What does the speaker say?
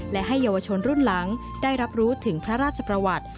และให้เยาวชนรุ่นหลังได้รับรู้ถึงพระราชประวัติ